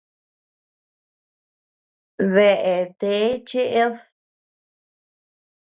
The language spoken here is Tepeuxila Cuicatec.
¿Dea tee cheʼed?